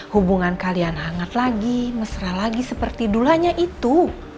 hubungan kalian hangat lagi mesra lagi seperti dulanya itu